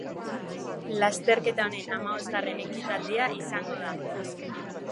Lasterketa honen hamabosgarren ekitaldia izango da.